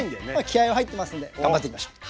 気合いは入ってますんで頑張っていきましょう！